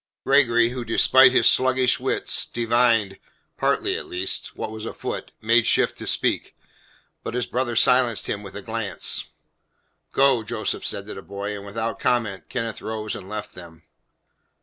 Gregory, who, despite his sluggish wits, divined partly, at least what was afoot, made shift to speak. But his brother silenced him with a glance. "Go," Joseph said to the boy. And, without comment, Kenneth rose and left them.